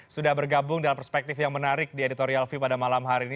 sudah bergabung dalam perspektif yang menarik di editorial view pada malam hari ini